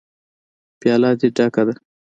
_پياله دې ډکه ده.